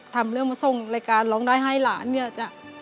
ทำเรื่องมาส่งรายการร้องได้ให้หลานเนี่ย